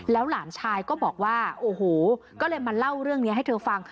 หลานชายก็บอกว่าโอ้โหก็เลยมาเล่าเรื่องนี้ให้เธอฟัง